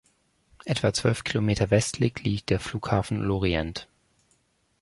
Etwa zwölf Kilometer westlich liegt der Flughafen Lorient.